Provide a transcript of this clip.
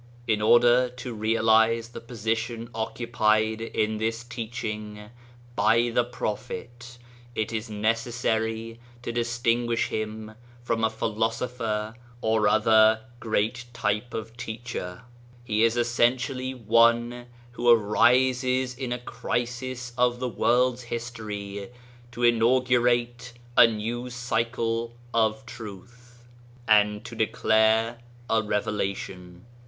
In order to realize the position occupied in this teaching by the Prophet, it is necessary to dis tinguish him from a philosopher or other great type of teacher. He is essentially one who arises in a crisis of the world's history to inaugurate a new cycle of truth, and to declare a Revelation.